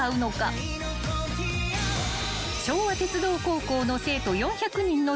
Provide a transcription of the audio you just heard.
［昭和鉄道高校の生徒４００人の頂点を決める